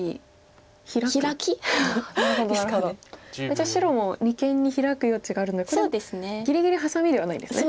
一応白も二間にヒラく余地があるのでこれはぎりぎりハサミではないですね。